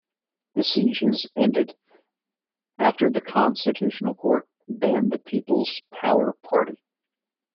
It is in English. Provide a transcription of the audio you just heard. The sieges ended after the Constitutional Court banned the People's Power Party.